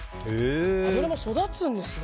油も育つんですね。